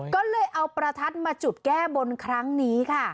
ก็เลยเอาประทัดมาจุดแก้บนครั้งนี้ค่ะ